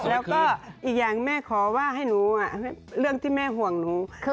แล้วก็อีกอย่างแม่ขอว่าให้หนูเรื่องที่แม่ห่วงหนู